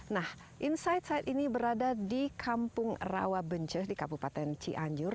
nah insight saat ini berada di kampung rawabence di kabupaten cianjur